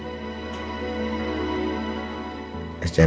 dia ber satisfaksi